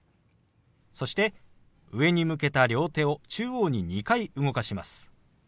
そして上に向けた両手を中央に２回動かします。